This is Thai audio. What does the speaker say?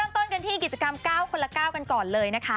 ต้นกันที่กิจกรรม๙คนละ๙กันก่อนเลยนะคะ